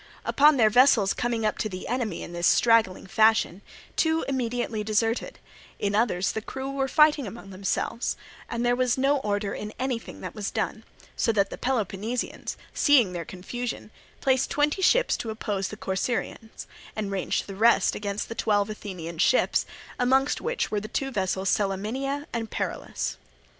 Upon their vessels coming up to the enemy in this straggling fashion, two immediately deserted: in others the crews were fighting among themselves, and there was no order in anything that was done; so that the Peloponnesians, seeing their confusion, placed twenty ships to oppose the Corcyraeans, and ranged the rest against the twelve Athenian ships, amongst which were the two vessels Salaminia and Paralus.